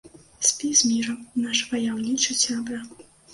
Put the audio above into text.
Спі з мірам, наш ваяўнічы сябра!